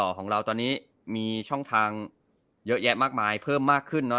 ของเราตอนนี้มีช่องทางเยอะแยะมากมายเพิ่มมากขึ้นเนอ